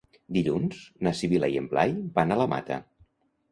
Dilluns na Sibil·la i en Blai van a la Mata.